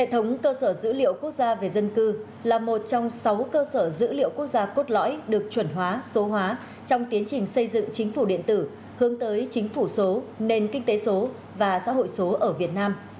hệ thống cơ sở dữ liệu quốc gia về dân cư là một trong sáu cơ sở dữ liệu quốc gia cốt lõi được chuẩn hóa số hóa trong tiến trình xây dựng chính phủ điện tử hướng tới chính phủ số nền kinh tế số và xã hội số ở việt nam